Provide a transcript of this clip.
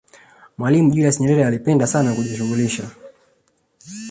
mwalimu julius nyerere alipenda sana kujishughulisha